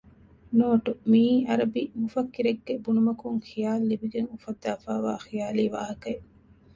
ނޯޓު މިއީ އަރަބި މުފައްކިރެއްގެ ބުނުމަކުން ޚިޔާލު ލިބިގެން އުފައްދައިފައިވާ ޚިޔާލީ ވާހަކައެއް